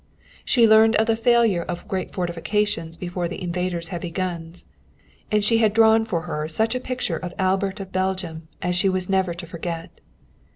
She learned of the failure of great fortifications before the invaders' heavy guns. And he had drawn for her such a picture of Albert of Belgium as she was never to forget.